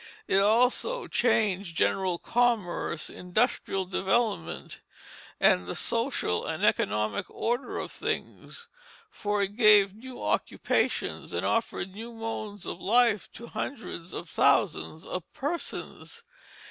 It also changed general commerce, industrial development, and the social and economic order of things, for it gave new occupations and offered new modes of life to hundreds of thousands of persons.